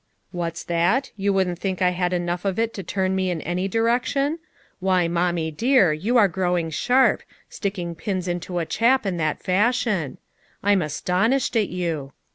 "What's that? You wouldn't think I had enough of it to turn me in any direction? Why, Mommie dear, you are growing sharp, sticking pins into a chap in that fashion; I'm astonished at you